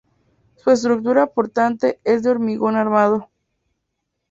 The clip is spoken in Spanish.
Su estructura portante es de hormigón armado.